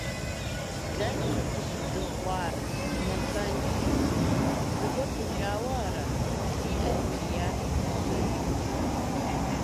- Дэнэ мыр къыщыбдыгъуар, напэншэ, зыгуэр букӀауэ ара?? - жиӀэри кӀиящ дыщэкӀыр.